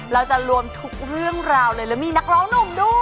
เราจะรวมทุกเรื่องราวเลยแล้วมีนักร้องหนุ่มด้วย